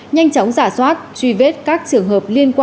nhanh chóng giả soát truy vết các trường hợp